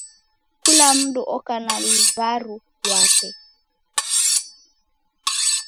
Kula mndu oko na luw'aru lwape.